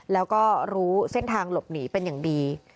แล้วก็รู้เส้นทางหลบหนีเป็นอย่างดี